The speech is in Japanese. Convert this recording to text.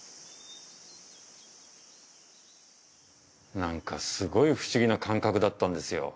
なんかすごい不思議な感覚だったんですよ。